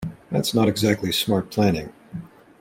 That's not exactly smart planning.